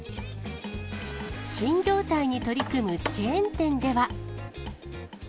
新業態に取り組むチェーン店では。